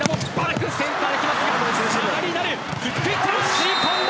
吸い込んだ。